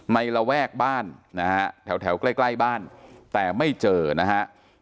ไม่ระแวกบ้านแถวใกล้บ้านแต่ไม่เจอนะฮะ